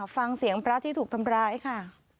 ฟังเสียงพระที่ถูกทำร้ายค่ะ